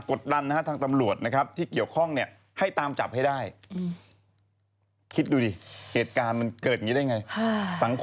เพราะว่าไอ้วัยรุ่นกลุ่มนี้คิดว่าผู้ชายคนนี้นะฮะ